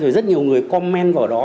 rồi rất nhiều người comment vào đó